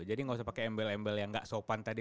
jadi gak usah pakai embel embel yang gak sopan tadi